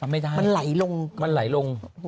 มันไม่ได้มันไหลลง